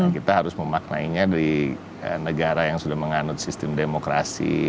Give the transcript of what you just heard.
kita harus memaknainya dari negara yang sudah menganut sistem demokrasi